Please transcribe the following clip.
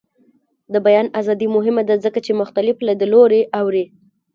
د بیان ازادي مهمه ده ځکه چې مختلف لیدلوري اوري.